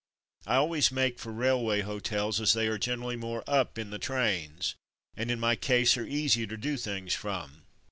I always make for railway hotels as they are generally more "up'' in the trains, and in my case are easier to do things from.